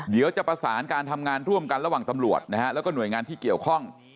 เดี๋ยวจะประสานการทำงานร่วมกันระหว่างตำรวจนะฮะแล้วก็หน่วยงานที่เกี่ยวข้อง